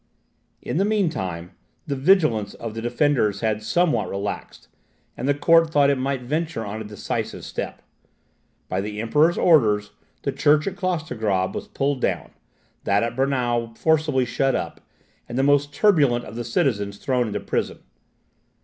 In the meantime, the vigilance of the defenders had somewhat relaxed, and the court thought it might venture on a decisive step. By the Emperor's orders, the church at Klostergrab was pulled down; that at Braunau forcibly shut up, and the most turbulent of the citizens thrown into prison.